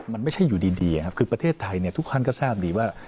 มันไม่ใช่อยู่ดีครับคือประเทศไทยทุกท่านก็ทราบดีว่า